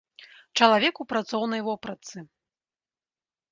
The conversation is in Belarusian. Чалавек у працоўнай вопратцы.